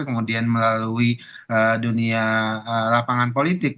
kemudian melalui dunia lapangan politik